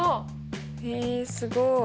へえすごい。